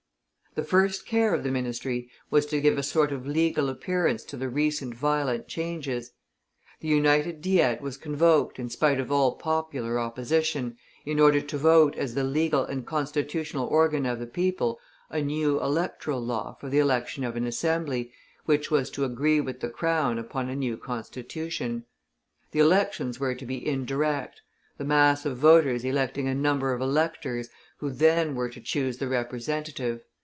The first care of the ministry was to give a sort of legal appearance to the recent violent changes. The United Diet was convoked in spite of all popular opposition, in order to vote as the legal and constitutional organ of the people a new electoral law for the election of an Assembly, which was to agree with the crown upon a new constitution. The elections were to be indirect, the mass of voters electing a number of electors, who then were to choose the representative.